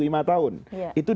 itu dalam usia muda